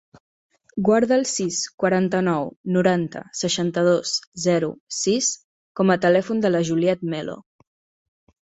Guarda el sis, quaranta-nou, noranta, seixanta-dos, zero, sis com a telèfon de la Juliet Melo.